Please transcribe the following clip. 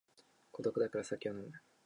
孤独だから酒を飲む